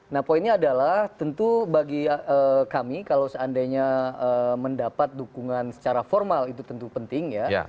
nah poinnya adalah tentu bagi kami kalau seandainya mendapat dukungan secara formal itu tentu penting ya